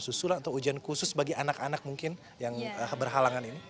susulan atau ujian khusus bagi anak anak mungkin yang berhalangan ini